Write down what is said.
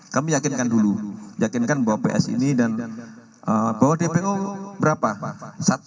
kami yakinkan dulu yakinkan bahwa ps ini dan bawa dpo berapa